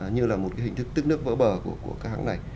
như là một hình thức tức nước vỡ bờ của các hãng này